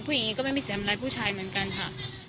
ผู้หญิงก็ไม่มีเสียงอะไรผู้ชายเหมือนกันค่ะ